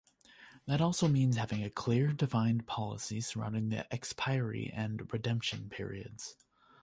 That also means having a clear, defined policy surrounding expiry and redemption periods.